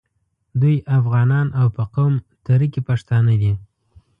دوی افغانان او په قوم تره کي پښتانه دي.